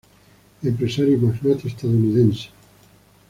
Empresario y magnate estadounidense.